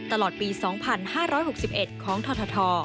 ตลอดปี๒๕๖๑ของทท